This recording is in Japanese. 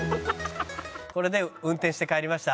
これで運転して帰りました。